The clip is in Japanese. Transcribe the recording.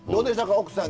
奥さん